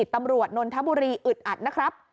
ตำรวจนนทบุรีอึดอัดนะครับ